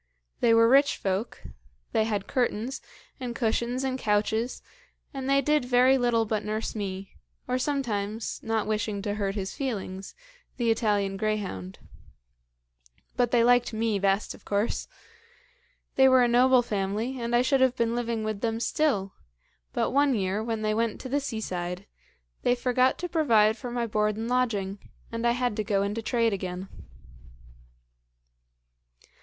They were rich folk; they had curtains, and cushions, and couches, and they did very little but nurse me, or sometimes, not wishing to hurt his feelings, the Italian greyhound. But they liked me best, of course. They were a noble family; and I should have been living with them still, but one year, when they went to the seaside, they forgot to provide for my board and lodging, and I had to go into trade again.